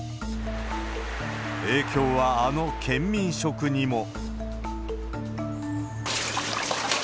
影響はあの県民食にも。